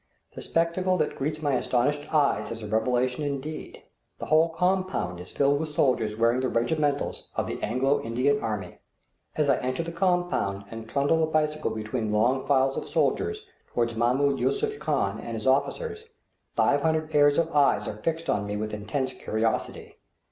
The spectacle that greets my astonished eyes is a revelation indeed; the whole compound is filled with soldiers wearing the regimentals of the Anglo Indian army. As I enter the compound and trundle the bicycle between long files of soldiers toward Mahmoud Yusuph Khan and his officers, five hundred pairs of eyes are fixed on me with intense curiosity.